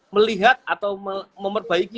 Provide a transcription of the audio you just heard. melihat atau memperbaiki